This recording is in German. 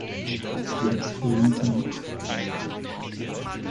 Jetzt holen sie ihn ab.